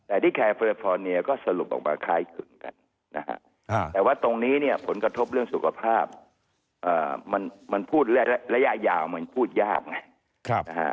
อันที่แครกพลีโพเนียก็สรุปออกมาใครซึ่งกันแต่ว่าตรงนี้หลายอย่างมันพูดยาก